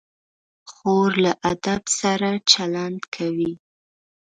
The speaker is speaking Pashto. خور له ادب سره چلند کوي.